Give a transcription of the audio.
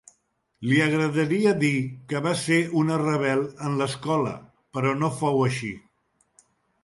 Li agradaria dir que va ser una rebel en l'escola però no fou així.